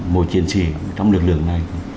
một chiến sĩ trong lực lượng này